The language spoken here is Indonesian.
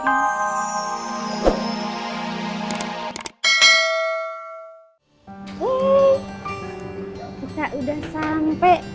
hei kita udah sampai